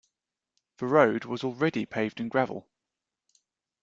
The road was already paved in gravel.